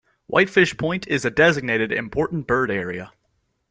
Whitefish Point is a designated Important Bird Area.